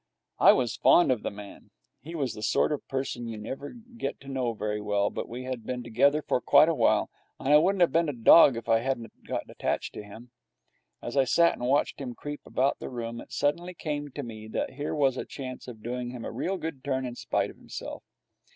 I was fond of the man. He was the sort of person you never get to know very well, but we had been together for quite a while, and I wouldn't have been a dog if I hadn't got attached to him. As I sat and watched him creep about the room, it suddenly came to me that here was a chance of doing him a real good turn in spite of himself.